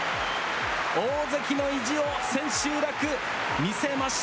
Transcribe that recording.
大関の意地を千秋楽、見せました。